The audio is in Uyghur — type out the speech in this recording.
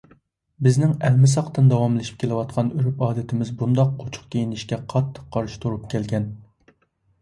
بىزنىڭ ئەلمىساقتىن داۋاملىشىپ كېلىۋاتقان ئۆرپ-ئادىتىمىز بۇنداق ئوچۇق كىيىنىشكە قاتتىق قارشى تۇرۇپ كەلگەن.